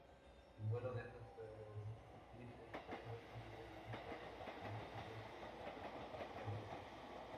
El vuelo de estas perdices es rápido y muy diferente al de otras perdices.